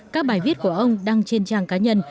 các bài viết của ông đăng trên trang cá nhân